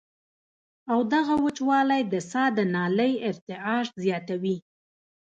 او دغه وچوالی د ساه د نالۍ ارتعاش زياتوي